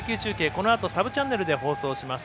このあとサブチャンネルで放送します。